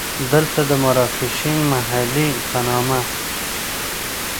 دلته د مراکشي محلې په نامه.